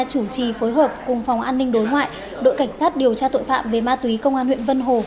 chủ trì phối hợp cùng phòng an ninh đối ngoại đội cảnh sát điều tra tội phạm về ma túy công an huyện vân hồ